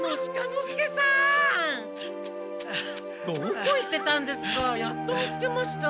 どこ行ってたんですか？